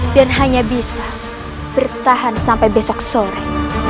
dan hanya bisa bertahan sampai besok sore